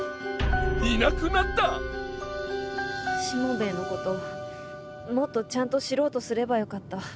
しもべえのこともっとちゃんと知ろうとすればよかった。